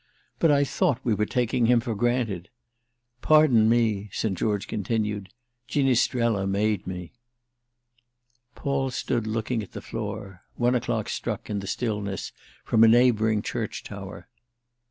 But I thought we were taking him for granted. Pardon me," St. George continued: "'Ginistrella' made me!" Paul stood looking at the floor—one o'clock struck, in the stillness, from a neighbouring church tower.